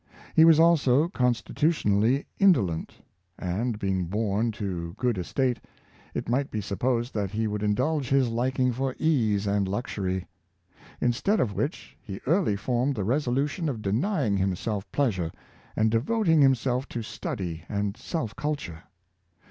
He was also constitutionally indolent; and. Buff 071 a Conscientious Woj^her. 233 being born to good estate, it might be supposed that he would indulge his liking for ease and luxury. Instead of which, he early formed the resolution of denying himself pleasure, and devoting himself to study and self culture.